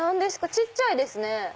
小っちゃいですね。